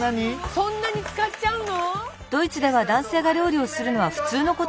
そんなに使っちゃうの？